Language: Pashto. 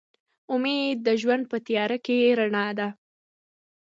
امید د ژوند په تیاره کې رڼا ده.